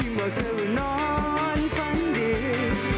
ที่มองเธอว่านอนฟันดี